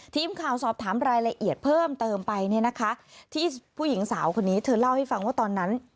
ทีมข่าวสอบถามรายละเอียดเพิ่มเติมไปเนี่ยนะคะที่ผู้หญิงสาวคนนี้เธอเล่าให้ฟังว่าตอนนั้น